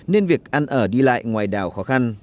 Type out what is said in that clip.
nên việc ăn ở đi lại ngoài đảo khó khăn